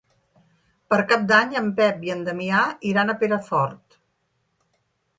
Per Cap d'Any en Pep i en Damià iran a Perafort.